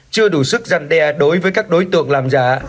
chưa đủ sức gian đe đối với các đối tượng làm giả